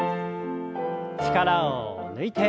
力を抜いて。